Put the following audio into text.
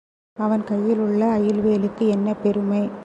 அவன் கையிலுள்ள அயில் வேலுக்கு என்ன பெருமை?